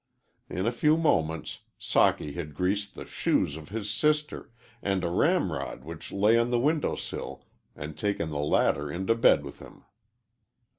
In a few moments Socky had greased the shoes of his sister, and a ramrod which lay on the window sill, and taken the latter into bed with him.